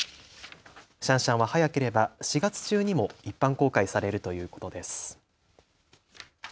シャンシャンは早ければ４月中にも一般公開されるということです。